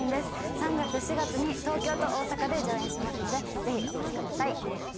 ３月４月に東京と大阪で上演しますのでぜひお越しください。